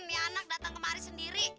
ini anak datang kemari sendiri